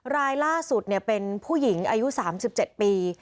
รายล่าสุดเป็นผู้หญิงอายุ๓๗ปี